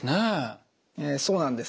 そうなんです。